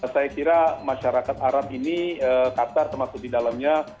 saya kira masyarakat arab ini qatar termasuk di dalamnya